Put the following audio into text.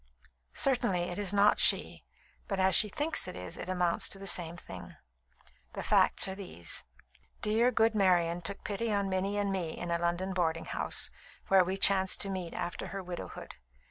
"Certainly it is not she; but as she thinks it is, it amounts to the same thing. The facts are these: Dear, good Marian took pity on Minnie and me in a London boarding house, where we chanced to meet after her widowhood.